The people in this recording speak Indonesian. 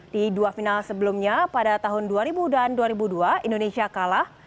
di dua final sebelumnya pada tahun dua ribu dan dua ribu dua indonesia kalah